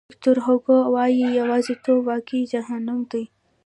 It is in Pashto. ویکتور هوګو وایي یوازیتوب واقعي جهنم دی.